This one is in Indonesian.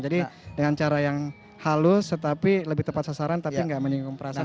jadi dengan cara yang halus tapi lebih tepat sasaran tapi gak menyinggung perasaan